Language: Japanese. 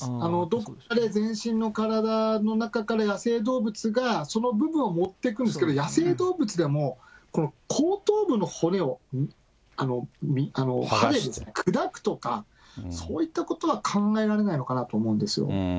どこかで全身の体の中から、野生動物がその部分を持ってくんですけど、野生動物でも、この後頭部の骨を砕くとか、そういったことは考えられないのかなと思うんです。